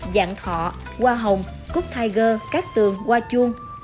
dạng thọ hoa hồng cút tiger cát tường hoa chuông